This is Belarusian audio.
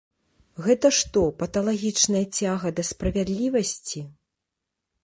Гэта што, паталагічная цяга да справядлівасці?